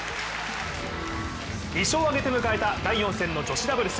２勝を挙げて迎えた第４戦の女子ダブルス。